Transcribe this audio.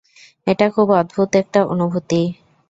এটা খুব অদ্ভুত একটা অনুভূতি।